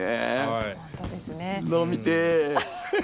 飲みてぇ。